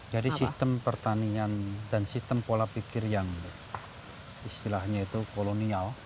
sistem pertanian dan sistem pola pikir yang istilahnya itu kolonial